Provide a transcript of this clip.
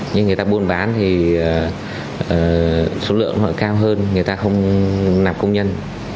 nhưng người ta buôn bán thì số lượng họ cao hơn người ta không nạp công nhân